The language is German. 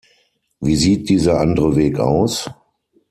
Wie sieht dieser andere Weg aus?